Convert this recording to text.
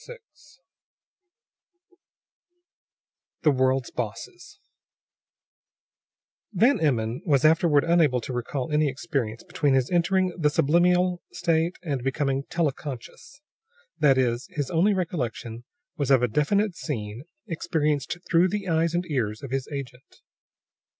VI THE WORLD'S BOSSES Van Emmon was afterward unable to recall any experience between his entering the sublimial state and becoming tele conscious. That is, his only recollection was of a definite scene, experienced through the eyes and ears of his agent.